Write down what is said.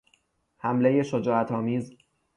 حملهی شجاعتآمیز